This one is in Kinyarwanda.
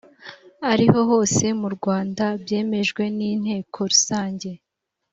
ariho hose mu rwanda byemejwe n inteko rusange